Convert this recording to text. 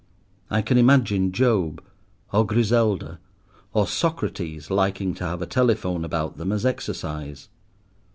I can imagine Job, or Griselda, or Socrates liking to have a telephone about them as exercise.